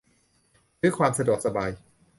ซื้อความสะดวกสบาย